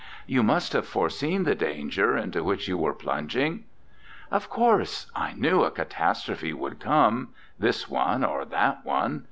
" You must have foreseen the danger into which you were plunging?'' "Of course! I knew a catastrophe would come this one or that one.